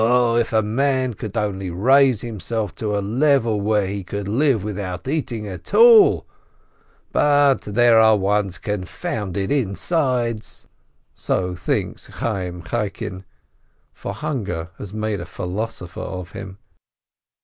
"0, if a man could only raise himself to a level where he could live without eating at all ! But there are one's confounded insides!" So thinks Chayyim Chaikin, for hunger has made a philosopher of him.